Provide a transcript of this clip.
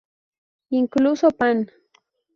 Incluso pan.